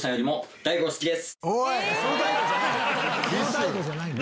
おい！